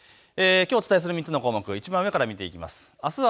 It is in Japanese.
きょうお伝えする３つの項目、いちばん上から見ていきます。